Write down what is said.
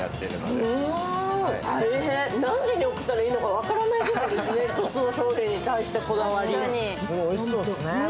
大変、何時に起きたらいいか分からないぐらいですね、１つの商品に対してのこだわり。